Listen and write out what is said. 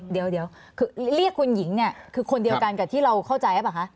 เดี๋ยวคือเรียกคุณหญิงเนี่ยคือคนเดียวกันกับที่เราเข้าใจหรือเปล่าคะ